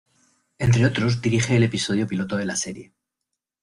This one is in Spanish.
Entre otros, dirige el episodio piloto de la serie.